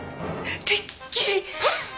てっきり！